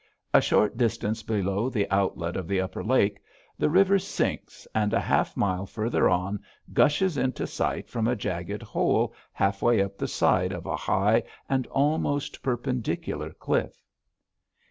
A short distance below the outlet of the upper lake the river sinks, and a half mile farther on gushes into sight from a jagged hole halfway up the side of a high and almost perpendicular cliff.